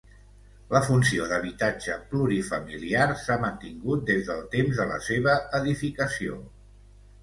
La funció d'habitatge plurifamiliar s'ha mantingut des del temps de la seva edificació.